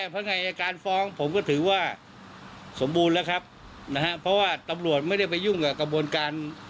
พนักงานอายการฟ้องผมก็ถือว่าสมบูรณ์แล้วครับนะฮะเพราะว่าตำรวจไม่ได้ไปยุ่งกับกระบวนการ